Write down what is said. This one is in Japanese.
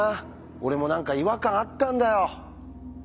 俺も何か違和感あったんだよ。